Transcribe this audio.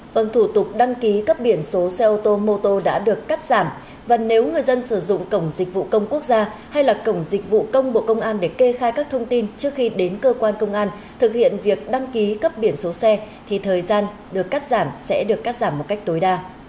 vâng thủ tục đăng ký cấp biển số xe ô tô mô tô đã được cắt giảm và nếu người dân sử dụng cổng dịch vụ công quốc gia hay là cổng dịch vụ công bộ công an để kê khai các thông tin trước khi đến cơ quan công an thực hiện việc đăng ký cấp biển số xe thì thời gian được cắt giảm sẽ được cắt giảm một cách tối đa